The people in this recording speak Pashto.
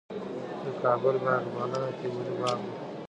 د کابل باغ بالا د تیموري باغ دی